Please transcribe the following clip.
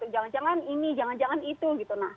jangan jangan ini jangan jangan itu gitu